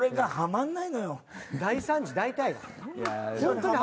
大惨事大体は。